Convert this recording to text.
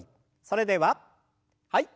それでははい。